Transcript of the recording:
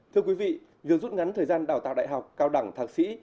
thưa quý vị việc rút ngắn thời gian đào tạo đại học cao đẳng thạc sĩ